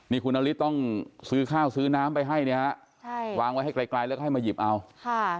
นี่คุณนฤทธิ์ต้องซื้อข้าวซื้อน้ำไปให้เนี่ยฮะใช่วางไว้ให้ไกลไกลแล้วก็ให้มาหยิบเอาค่ะ